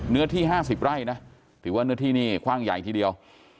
เนื้อที่๕๐ไร่นะถือว่าเนื้อที่นี่คว่างใหญ่ทีเดียว